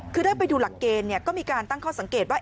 คือได้ไปดูหลักเกณฑ์ก็มีการตั้งข้อสังเกตว่า